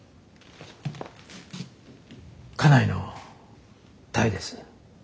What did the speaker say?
家内の多江です。